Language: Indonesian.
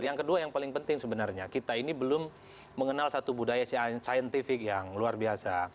yang kedua yang paling penting sebenarnya kita ini belum mengenal satu budaya scientific yang luar biasa